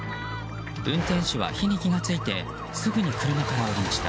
運転手は火に気が付いてすぐに車から降りました。